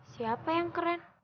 siapa yang keren